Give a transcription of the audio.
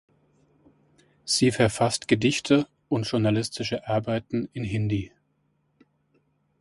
Sie verfasst Gedichte und journalistische Arbeiten in Hindi.